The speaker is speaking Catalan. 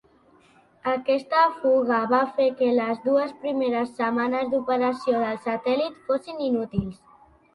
Aquesta fuga va fer que les dues primeres setmanes d'operació del satèl·lit fossin inútils.